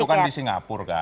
itu kan di singapura kan